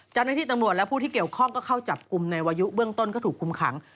เจ้าหน้าที่ตำรวจและผู้ที่เกี่ยวข้องก็เข้าจับกลุ่มในวายุเบื้องต้นก็ถูกคุมขัง